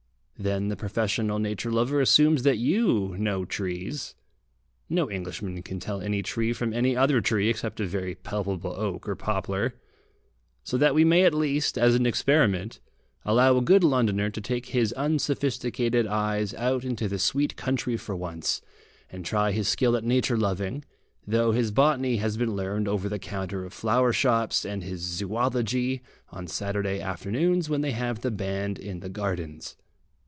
Then the professional nature lover assumes that you know trees. No Englishman can tell any tree from any other tree, except a very palpable oak or poplar. So that we may at least, as an experiment, allow a good Londoner to take his unsophisticated eyes out into the sweet country for once, and try his skill at nature loving, though his botany has been learned over the counter of flower shops, and his zoology on Saturday afternoons when they have the band in the Gardens.